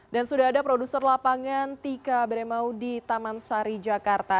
dan sudah ada produser lapangan tika beremau di taman sari jakarta